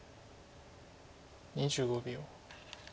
２５秒。